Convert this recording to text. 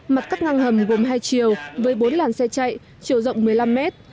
mặt cắt ngang hầm gồm hai chiều với bốn làn xe chạy chiều rộng một mươi năm mét